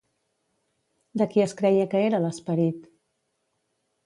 De qui es creia que era l'esperit?